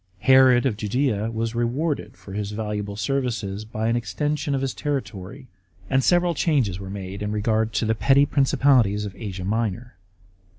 Herod of Judea was rewarded for his valuable services by an extension of his territory, and several changes were made in regard to the petty principalities of Asia Minor.